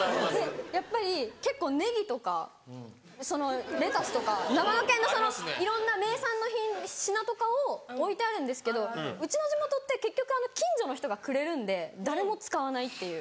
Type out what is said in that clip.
やっぱり結構ネギとかそのレタスとか長野県のいろんな名産の品とかを置いてあるんですけどうちの地元って結局近所の人がくれるんで誰も使わないっていう。